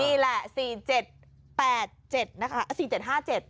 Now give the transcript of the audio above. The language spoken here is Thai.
นี่แหละสี่เจ็ดแปดเจ็ดนะคะสี่เจ็ดห้าเจ็ด